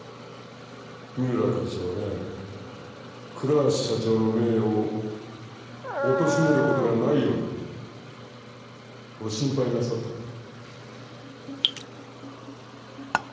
三村会長はね倉橋社長の名誉をおとしめることがないようにとご心配なさってるんだ。